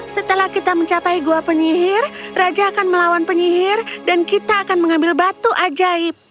setelah kita mencapai gua penyihir raja akan melawan penyihir dan kita akan mengambil batu ajaib